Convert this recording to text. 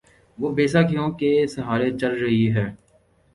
وہ بیساکھیوں کے سہارے چل رہی ہے۔